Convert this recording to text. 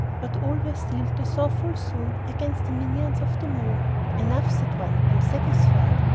But all were sealed, they saw full soon, Against the minions of the moon. "Enough," said one: "I'm satisfied."